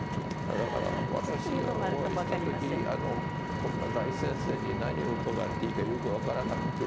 だから私がお会いした時こんな大先生に何を伺っていいかよく分からなくてですね